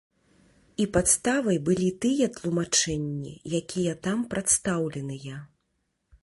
І падставай былі тыя тлумачэнні, якія там прадстаўленыя.